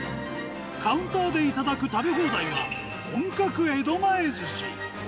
カウンターで頂く食べ放題は、本格江戸前ずし。